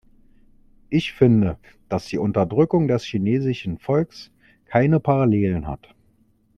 Ich finde, dass die Unterdrückung des chinesischen Volks keine Parallelen hat.